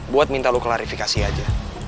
buat minta lu klarifikasi aja